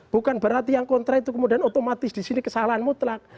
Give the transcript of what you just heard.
bukan berarti yang kontra itu kemudian otomatis disini kesalahan mutlak